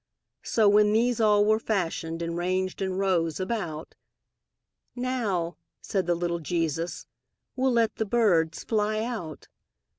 So, when these all were fashioned, And ranged in rows about, "Now," said the little Jesus, "We'll let the birds fly out."